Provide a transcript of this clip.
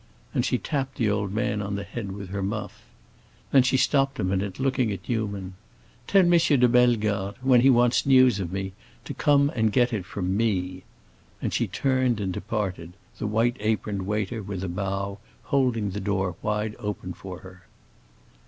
And she tapped the old man on the head with her muff. Then she stopped a minute, looking at Newman. "Tell M. de Bellegarde, when he wants news of me, to come and get it from me!" And she turned and departed, the white aproned waiter, with a bow, holding the door wide open for her.